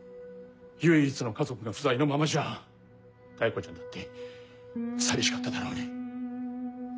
唯一の家族が不在のままじゃ妙子ちゃんだって寂しかっただろうに。